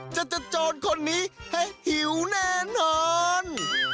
เจ้าเจ้าโจรคนนี้ให้หิวแน่นอน